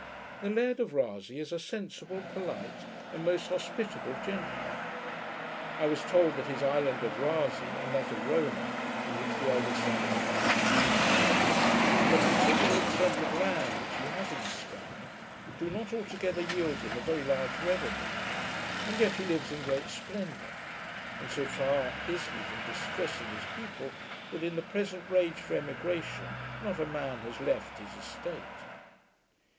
The Laird of Rasay is a sensible, polite, and most hospitable gentleman. I was told that his island of Rasay, and that of Rona (from which the eldest son of the family has his title), and a considerable extent of land which he has in Sky, do not altogether yield him a very large revenue: and yet he lives in great splendour; and so far is he from distressing his people, that, in the present rage for emigration, not a man has left his estate.